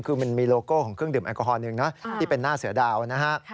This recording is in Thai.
คือมันมีโลโก้ของเครื่องดื่มแอลกอฮอลหนึ่งนะที่เป็นหน้าเสือดาวนะฮะ